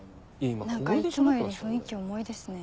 何かいつもより雰囲気重いですね。